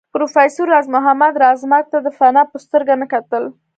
پروفېسر راز محمد راز مرګ ته د فناء په سترګه نه کتل